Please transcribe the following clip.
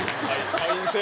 会員制？